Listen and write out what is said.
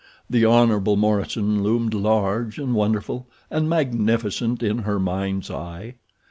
The Hon. Morison loomed large and wonderful and magnificent in her mind's eye.